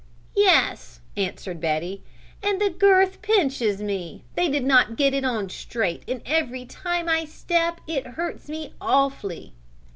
"Yes," answered Betty, "and the girth pinches me. They did not get it on straight and every time I step it hurts me awfully."